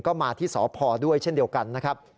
ก็มาที่สพด้วยเช่นเดียวกันนะครับ